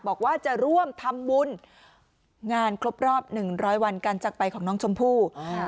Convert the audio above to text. บอกว่าจะร่วมทำบุญงานครบรอบหนึ่งร้อยวันการจักรไปของน้องชมพู่อ่า